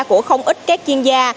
của không ít các chuyên gia